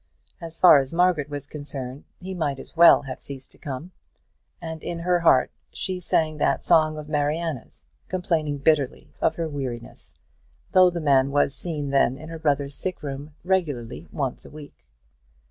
As far as Margaret was concerned he might as well have ceased to come; and in her heart she sang that song of Mariana's, complaining bitterly of her weariness; though the man was seen then in her brother's sickroom regularly once a week.